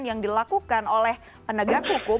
yang dilakukan oleh penegak hukum